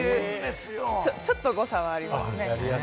ちょっと誤差はありますね。